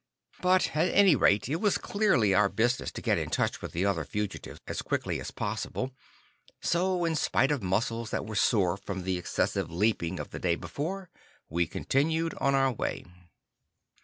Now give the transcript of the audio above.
But at any rate it was clearly our business to get in touch with the other fugitives as quickly as possible, so in spite of muscles that were sore from the excessive leaping of the day before, we continued on our way.